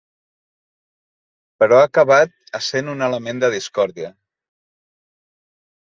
Però ha acabat essent un element de discòrdia.